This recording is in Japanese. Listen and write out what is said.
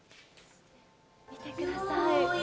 見てください。